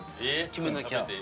決めなきゃ。